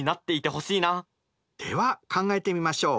では考えてみましょう。